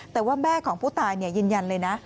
แต่ว่าแม่ของผู้ตายยืนยันเลยนะ